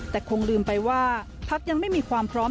แต่คงลืมไปว่าพักยังไม่มีความพร้อม